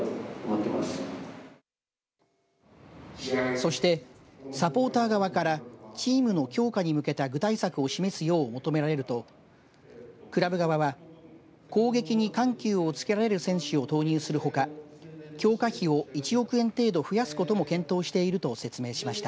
そして、サポーター側からチームの強化に向けた具体策を示すよう求められるとクラブ側は攻撃に緩急をつけられる選手を投入するほか強化費を１億円程度増やすことも検討していると説明しました。